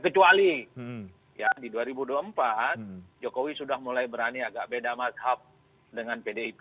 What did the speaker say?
kecuali di dua ribu dua puluh empat jokowi sudah mulai berani agak beda mazhab dengan pdip